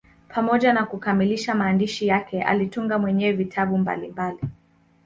Pamoja na kukamilisha maandishi yake, alitunga mwenyewe vitabu mbalimbali.